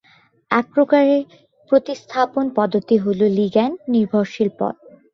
এক প্রকারের প্রতিস্থাপন পদ্ধতি হল লিগ্যান্ড নির্ভরশীল পথ।